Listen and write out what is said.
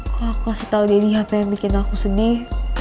kalau aku kasih tau diri apa yang bikin aku sedih